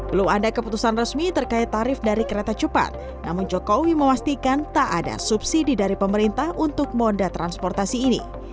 belum ada keputusan resmi terkait tarif dari kereta cepat namun jokowi memastikan tak ada subsidi dari pemerintah untuk moda transportasi ini